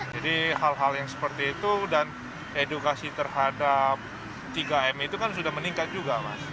hal hal yang seperti itu dan edukasi terhadap tiga m itu kan sudah meningkat juga mas